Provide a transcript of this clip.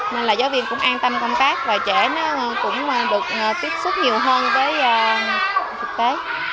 nên là giáo viên cũng an tâm công tác và trẻ nó cũng được tiếp xúc nhiều hơn với thực tế